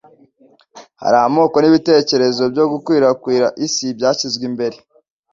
hari amoko n ibitekerezo byo gukwirakwira isi byashyizwe imbere